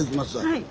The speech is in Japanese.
はい。